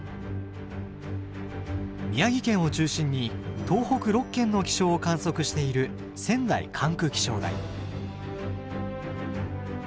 宮城県を中心に東北６県の気象を観測している仙台管区気象台。